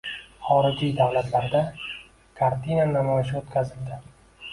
Xorijiy davlatlarda kartina namoyishi o‘tkazildi.